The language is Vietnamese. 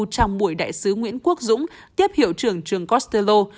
trong mùi đại sứ nguyễn quốc dũng tiếp hiệu trưởng trường costello